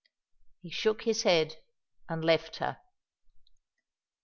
He shook his head and left her.